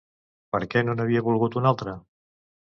Per què no n'havia volgut un altre?